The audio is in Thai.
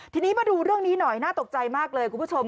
ทีนี้มาดูเรื่องนี้หน่อยน่าตกใจมากเลยคุณผู้ชม